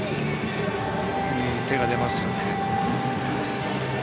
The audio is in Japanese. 手が出ますよね。